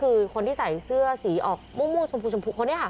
คือคนที่ใส่เสื้อสีออกม่วงชมพูชมพูคนนี้ค่ะ